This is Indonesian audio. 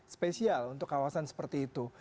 spesial untuk kawasan seperti itu